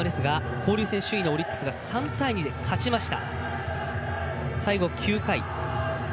交流戦、首位のオリックスが勝ちました。